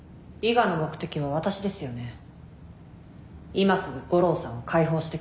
今すぐ悟郎さんを解放してください。